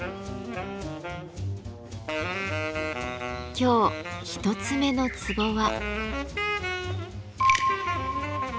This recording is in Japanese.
今日一つ目のツボは。